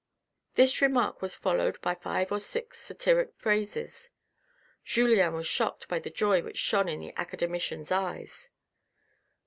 This remark was followed by five or six satiric phrases. Julien was shocked by the joy which shone in the academician's eyes.